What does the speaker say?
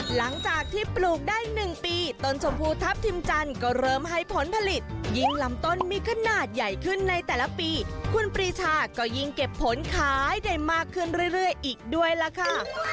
หลังจากที่ปลูกได้๑ปีต้นชมพูทัพทิมจันทร์ก็เริ่มให้ผลผลิตยิ่งลำต้นมีขนาดใหญ่ขึ้นในแต่ละปีคุณปรีชาก็ยิ่งเก็บผลขายได้มากขึ้นเรื่อยอีกด้วยล่ะค่ะ